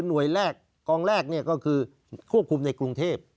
หน่วยแรกกองแรกก็คือควบคุมในกรุงเทพ